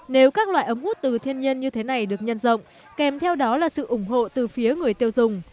nếu các loại ống hút từ thiên nhiên như thế này được nhân rộng kèm theo đó là sự ủng hộ từ phía người tiêu dùng